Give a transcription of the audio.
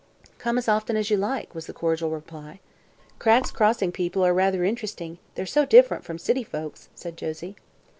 "Come as often as you like," was the cordial reply. "Cragg's Crossing people are rather interesting; they're so different from city folks," said Josie.